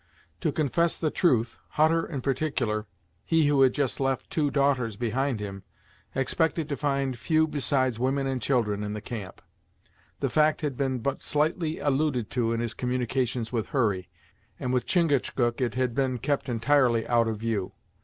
To confess the truth, Hutter in particular he who had just left two daughters behind him expected to find few besides women and children in the camp. The fact had been but slightly alluded to in his communications with Hurry, and with Chingachgook it had been kept entirely out of view.